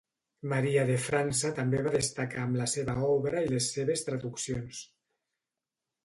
Maria de França també va destacar amb la seva obra i les seves traduccions.